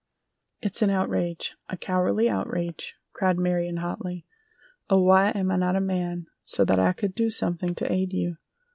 "It's an outrage, a cowardly outrage!" cried Marion, hotly. "Oh, why am I not a man so that I could do something to aid you!"